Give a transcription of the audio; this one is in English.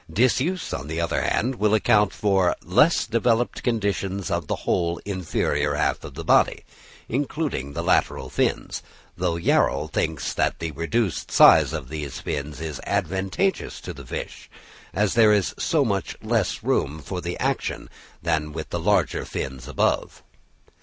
Disuse, on the other hand, will account for the less developed condition of the whole inferior half of the body, including the lateral fins; though Yarrel thinks that the reduced size of these fins is advantageous to the fish, as "there is so much less room for their action than with the larger fins above."